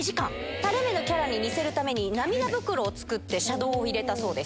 たれ目のキャラに似せるために、涙袋を作って、シャドーを入れたそうです。